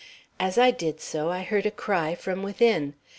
As I did so, I heard a cry from within.